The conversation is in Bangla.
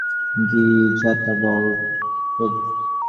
কী, যা-তা বোর্ড?